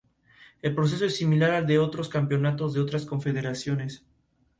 Habitan la zona numerosas especies vegetales y animales.